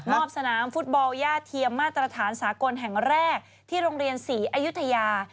สนามฟุตบอลย่าเทียมมาตรฐานสากลแห่งแรกที่โรงเรียนศรีอายุทยา